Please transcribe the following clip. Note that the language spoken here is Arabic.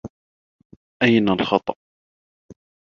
أين الخطأ؟